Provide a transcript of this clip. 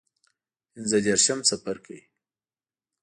پنځه دیرشم څپرکی